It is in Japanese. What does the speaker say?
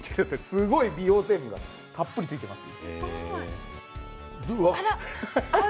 すごい美容成分がたっぷりついています。